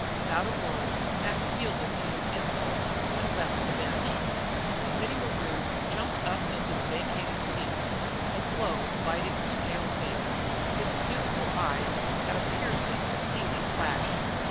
Without a word Mac yielded to his impulse and left the bench. Mittie Maru jumped up into the vacated seat. A glow lighted his pale face; his beautiful eyes had a piercing, steely flash.